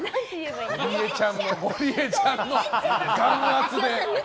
ゴリエちゃんの眼圧で。